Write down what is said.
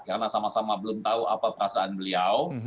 karena sama sama belum tahu apa perasaan beliau